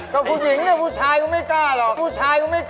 กับผู้หญิงเนี่ยผู้ชายก็ไม่กล้าหรอก